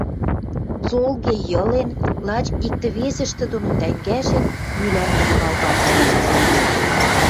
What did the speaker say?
Цолге йылен, лач иктӹ-весӹштӹ доно тӓнгӓшен, мӱлӓндӹм валгалтараш цацат.